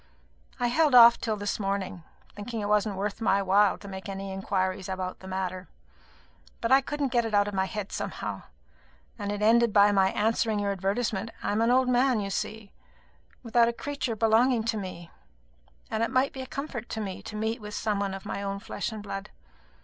I held off till this morning, thinking it wasn't worth my while to make any inquiries about the matter; but I couldn't get it out of my head somehow; and it ended by my answering your advertisement. I am an old man, you see, without a creature belonging to me; and it might be a comfort to me to meet with some one of my own flesh and blood.